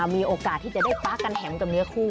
มีโอกาสที่จะได้ป๊ากันแถมกับเนื้อคู่